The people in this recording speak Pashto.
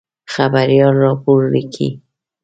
خبریال راپور لیکي.